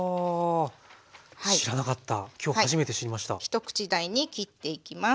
一口大に切っていきます。